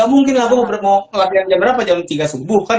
mungkin aku mau latihan jam berapa jam tiga subuh kan